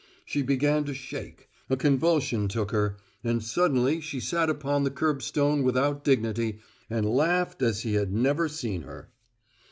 She began to shake; a convulsion took her, and suddenly she sat upon the curbstone without dignity, and laughed as he had never seen her.